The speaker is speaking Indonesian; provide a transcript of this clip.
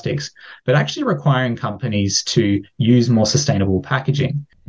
tapi sebenarnya membutuhkan perusahaan untuk menggunakan pakean yang lebih berkelanjutan